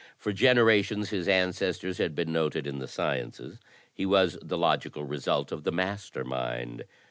For generations his ancestors had been noted in the sciences; he was the logical result of the master mind.